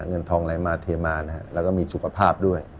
เงินทองอะไรมาเทมานะฮะแล้วก็มีสุขภาพด้วย